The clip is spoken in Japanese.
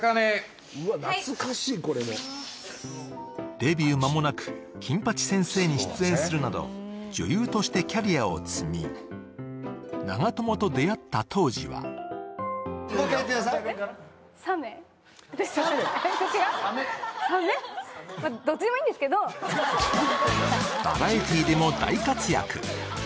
デビュー間もなく「金八先生」に出演するなど女優としてキャリアを積み長友と出会った当時はバラエティーでも大活躍。